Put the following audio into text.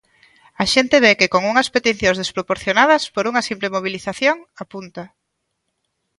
A xente ve que con unhas peticións desproporcionadas por unha simple mobilización, apunta.